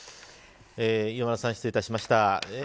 磐村さん、失礼いたしました。